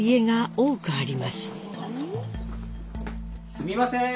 すみません。